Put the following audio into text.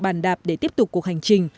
bàn đạp để tiếp tục cuộc hành trình